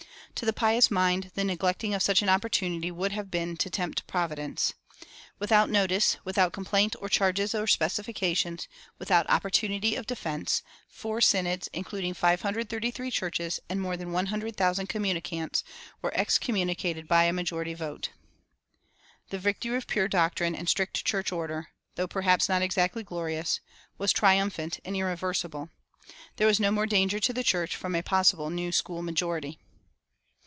To the pious mind the neglecting of such an opportunity would have been to tempt Providence. Without notice, without complaint or charges or specifications, without opportunity of defense, 4 synods, including 533 churches and more than 100,000 communicants, were excommunicated by a majority vote. The victory of pure doctrine and strict church order, though perhaps not exactly glorious, was triumphant and irreversible. There was no more danger to the church from a possible New School majority.